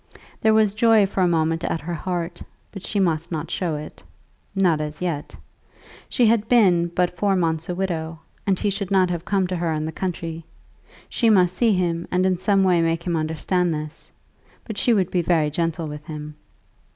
There was joy for a moment at her heart; but she must not show it, not as yet. She had been but four months a widow, and he should not have come to her in the country. She must see him and in some way make him understand this, but she would be very gentle with him.